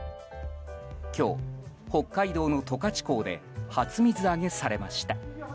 今日、北海道の十勝港で初水揚げされました。